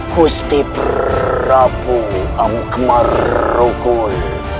kusti prabu amkmarukul